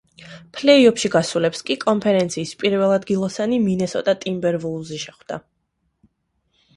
ფლეი-ოფში გასულებს კი კონფერენციის პირველ ადგილოსანი მინესოტა ტიმბერვულვზი შეხვდა.